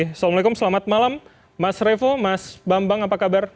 assalamualaikum selamat malam mas revo mas bambang apa kabar